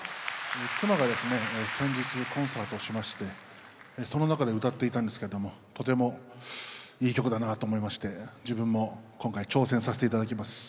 妻がですね先日コンサートをしましてその中で歌っていたんですけどもとてもいい曲だなと思いまして自分も今回挑戦さして頂きます。